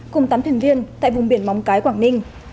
cùng tám thuyền viên tại vùng biển móng cái quảng ninh